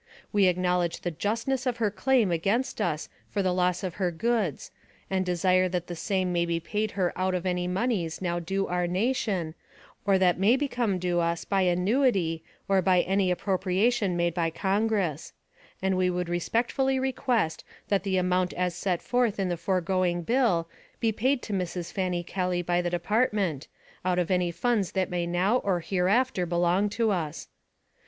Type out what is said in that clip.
We acknowledge the justness of her claim against us for the loss of her goods, and desire that the same may be paid her out of any moneys now due our nation, or that may become due us by annuity or by any appro priation made by Congress; and we would respectfully request that the amount as set forth in the foregoing bill be paid to Mrs. Fanny Kelly by the Department, out of any funds that may now or hereafter belong to us.